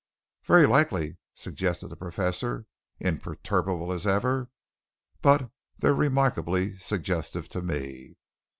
"Very likely," said the Professor, imperturbable as ever, "but they're remarkably suggestive to me.